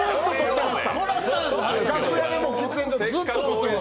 楽屋でも、喫煙所でも。